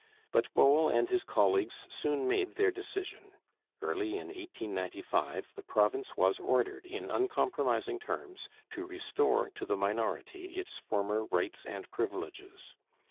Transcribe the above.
But Bowell and his colleagues soon made their decision. Early in 1895 the province was ordered in uncompromising terms to restore to the minority its former rights and privileges.